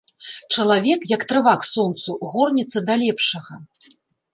Чалавек, як трава к сонцу, горнецца да лепшага.